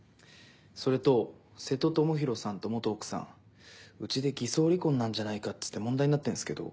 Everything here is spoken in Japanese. それと瀬戸知宏さんと奥さんうちで偽装離婚なんじゃないかっつって問題になってんすけど。